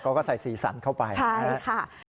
ก็ใส่๔สันเข้าไปนะครับใช่ค่ะใช่ค่ะ